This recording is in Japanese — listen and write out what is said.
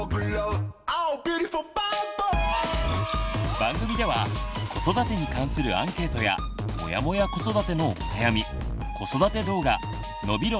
番組では子育てに関するアンケートや「モヤモヤ子育て」のお悩み子育て動画のびろ！